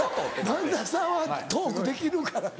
萬田さんはトークできるからな。